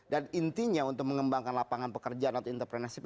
dan intinya untuk mengembangkan lapangan pekerjaan atau entrepreneurship